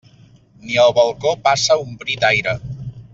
Ni al balcó passa un bri d'aire.